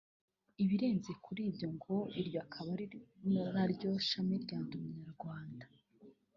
ibirenze kuri ibyo ngo iryo akaba ari naryo shami rya NdiUmunyarwanda